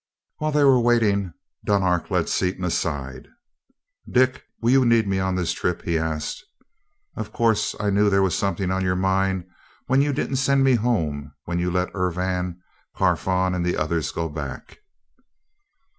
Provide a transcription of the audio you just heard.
While they were waiting, Dunark led Seaton aside. "Dick, will you need me on this trip?" he asked. "Of course I knew there was something on your mind when you didn't send me home when you let Urvan, Carfon and the others go back."